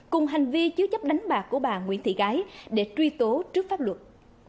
cùng hành vi chứa chấp đánh bạc của bà nguyễn thị gái để truy tố trước pháp luật